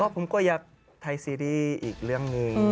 ผมก็อยากไทยซีรีส์อีกเรื่องหนึ่ง